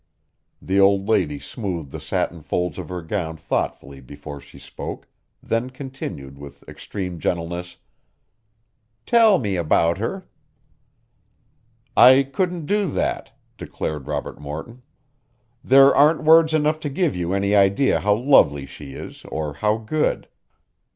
The old lady smoothed the satin folds of her gown thoughtfully before she spoke, then continued with extreme gentleness: "Tell me all about her." "I couldn't do that," declared Robert Morton. "There aren't words enough to give you any idea how lovely she is or how good."